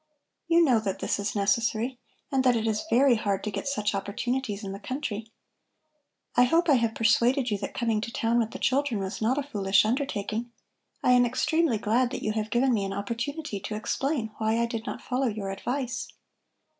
"You know that this is necessary and that it is very hard to get such opportunities in the country. I hope I have persuaded you that coming to town with the children was not a foolish undertaking. I am extremely glad that you have given me an opportunity to explain why I did not follow your advice."